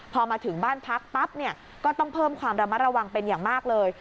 พอมาถึงบ้านพักปั๊บเนี่ยก็ต้องเพิ่มความระมัดระวังเป็นอย่างมากเลย